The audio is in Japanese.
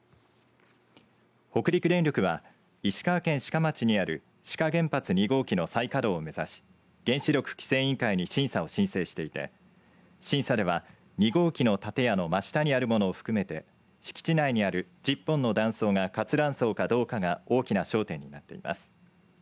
北陸電力は石川県志賀町にある志賀原発２号機の再稼働を目指し原子力規制委員会に審査を申請していて審査では、２号機の建屋の真下にあるものを含めて敷地内にある１０本の断層が活断層かどうかが大きな焦点になっています。